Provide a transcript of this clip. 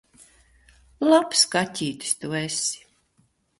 Labs kaķītis tu esi!